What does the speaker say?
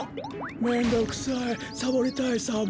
めんどくさいサボりたいサボ。